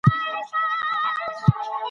کمپيوټر کيسه ليکي.